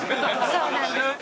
そうなんです。